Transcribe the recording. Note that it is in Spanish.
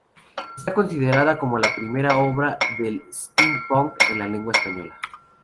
Está considerada como la primera obra del steampunk en lengua española.